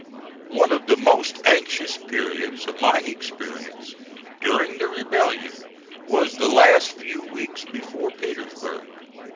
One of the most anxious periods of my experience during the rebellion was the last few weeks before Petersburg.